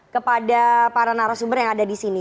kepada para narasumber yang ada disini